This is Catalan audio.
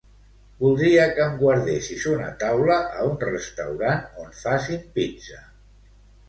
Voldria que em guardessis una taula a un restaurant on facin pizza.